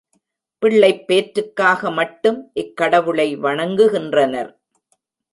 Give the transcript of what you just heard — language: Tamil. பிள்ளைப்பேற்றுக்காக மட்டும், இக்கடவுளை வணங்குகின்றனர்.